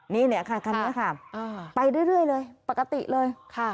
นี่เนี่ยค่ะคันนี้ค่ะไปเรื่อยเลยปกติเลยค่ะ